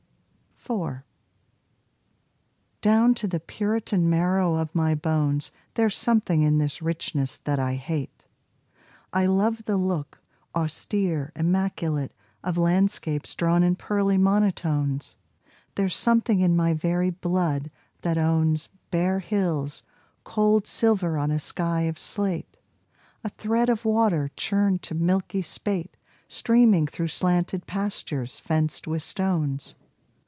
4 Down to the Puritan marrow of my bones There's something in this richness that I hate. I love the look, austere, immaculate, Of landscapes drawn in pearly monotones. There's something in my very blood that owns Bare hills, cold silver on a sky of slate, A thread of water, churned to milky spate Streaming through slanted pastures fenced with stones.